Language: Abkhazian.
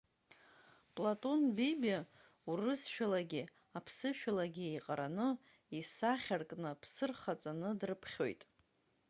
Платон Бебиа урысшәалагьы аԥсышәалагьы еиҟараны исахьаркны аԥсы рхаҵаны дрыԥхьоит.